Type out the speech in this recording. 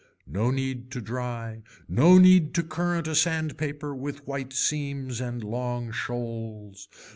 No need to dry, no need to current a sand paper with white seams and long shoals.